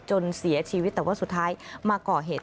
จนเสียชีวิตแต่ว่าสุดท้ายมาก่อเหตุ